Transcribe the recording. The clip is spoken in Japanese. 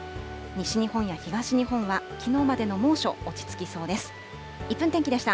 西日本や東日本はきのうまでの猛暑、落ち着きそうです。